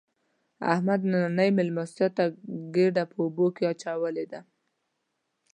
احمد نننۍ مېلمستیا ته ګېډه په اوبو کې اچولې ده.